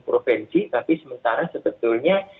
provinsi tapi sementara sebetulnya